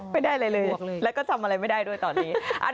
ไม่ได้อะไรเลยแล้วก็ทำอะไรไม่ได้ด้วยตอนนี้